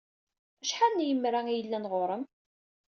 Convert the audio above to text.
Acḥal n yemra ay yellan ɣur-m?